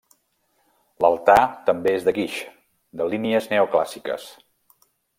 L'altar també és de guix, de línies neoclàssiques.